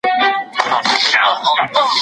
که لمر روښانه وي نو لار نه ورکیږي.